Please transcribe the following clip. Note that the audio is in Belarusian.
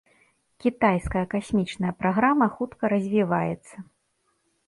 Кітайская касмічная праграма хутка развіваецца.